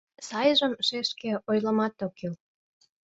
— Сайжым, шешке, ойлымат ок кӱл.